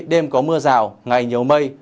đêm có mưa rào ngày nhiều mây